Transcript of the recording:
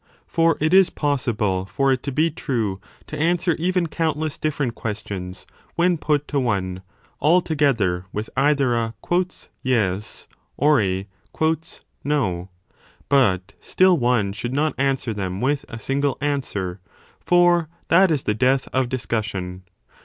For it is possible for it to be true to answer even countless different questions when put to one, all together with either a Yes or a No : but still one should not answer them with a single answer : for that is the death of discussion.